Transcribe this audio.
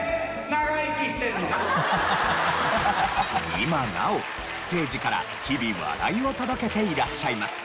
今なおステージから日々笑いを届けていらっしゃいます。